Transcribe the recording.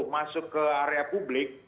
masuk ke area publik